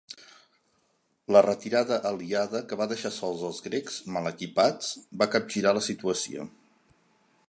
La retirada aliada que va deixar sols als grecs mal equipats, va capgirar la situació.